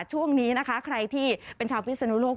ช่วงนี้นะคะใครที่เป็นชาวพิศนุโลก